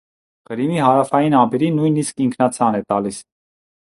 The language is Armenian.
Ղրիմի հարավային ափերին նույնիսկ ինքնացան է տալիս։